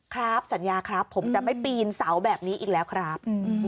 ครับสัญญาครับผมจะไม่ปีนเสาแบบนี้อีกแล้วครับ